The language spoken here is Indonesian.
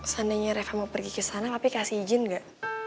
seandainya mereka mau pergi ke sana tapi kasih izin gak